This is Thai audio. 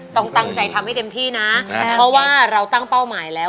ต้องตั้งใจทำให้เต็มที่นะเพราะว่าเราตั้งเป้าหมายแล้ว